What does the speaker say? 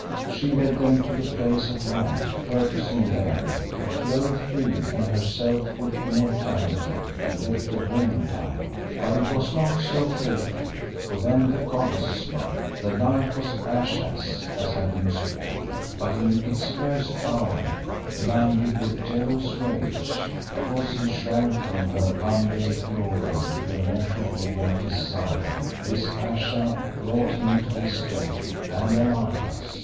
She led them to the Place of Life, purposing there to clothe him and herself with immortality, and let the woman die. But it was not so fated, for then the goddess smote. The life was Ayesha's as had been sworn, but in its first hour, blinded with jealous rage because he shrank from her unveiled glory to the mortal woman at his side, this Ayesha brought him to his death, and alas!